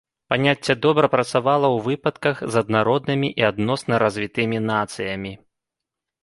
Паняцце добра працавала у выпадках з аднароднымі і адносна развітымі нацыямі.